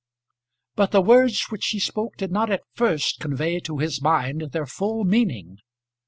But the words which she spoke did not at first convey to his mind their full meaning.